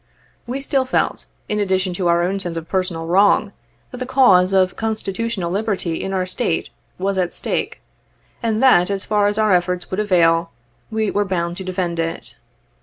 We still felt, in addition to our own sense of personal wrong, that the cause of constitutional ^Liberty in our State was at stake, and that, as far as our efforts would avail, we were bound to defend it.